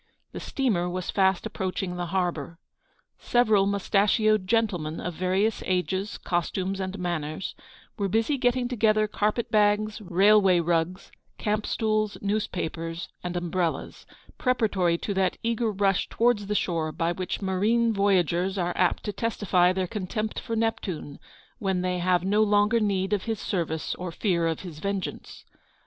The steamer was fast approaching the harbour. Several mous tachioed gentlemen, of various ages, costumes, and manners, were busy getting together carpet bags, railway rugs, camp stools, newspapers, and VOL. I. B 2 ELEANOR S VICTORY. umbrellas; preparatory to that eager rush to wards the shore by which marine voyagers are apt to testify their contempt for Neptune, when they have no longer need of his service or fear of his vengeance.